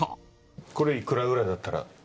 これ、いくらくらいだったら？